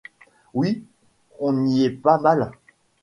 Oui, on n’y est pas mal.